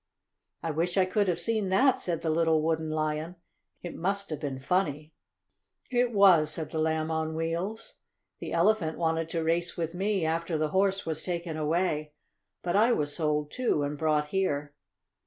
"I wish I could have seen that," said the little Wooden Lion. "It must have been funny." "It was," said the Lamb on Wheels. "The Elephant wanted to race with me, after the Horse was taken away. But I was sold, too, and brought here."